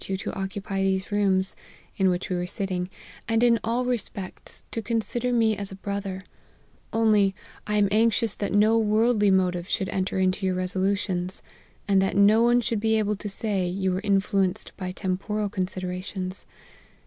you to occupy these rooms,' in which we were sit ting, ' and in all respects, to consider me as a bro ther : only I am anxious that no worldly motive should enter into your resolutions, and that no one should be able to say, you were influenced by tem poral considerations.'